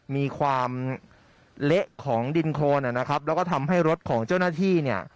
มีความเละของดินโครนนะครับแล้วก็ทำให้รถของเจ้าหน้าที่เนี่ย